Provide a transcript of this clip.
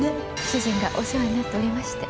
主人がお世話になっておりまして。